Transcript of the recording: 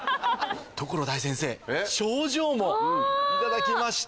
所大先生賞状も頂きました。